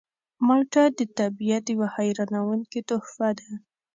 مالټه د طبیعت یوه حیرانوونکې تحفه ده.